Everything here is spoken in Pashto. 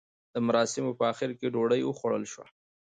د مراسیمو په اخر کې ډوډۍ وخوړل شوه.